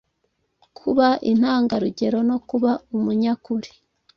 Kuba intangarugero no kuba umunyakuri,